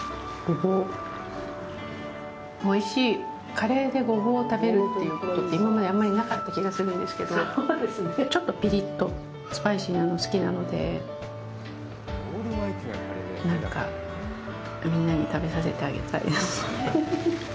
カレーでゴボウを食べるっていうことって今まであんまりなかった気がするんですけどちょっとピリッとスパイシーなの好きなのでみんなに食べさせてあげたい。